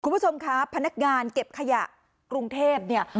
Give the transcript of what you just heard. คุณผู้ชมครับพนักงานเก็บขยะกรุงเทพเนี่ย